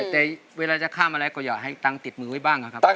แต่เวลาจะข้ามอะไรก็อยากให้ตังค์ติดมือไว้บ้างนะครับ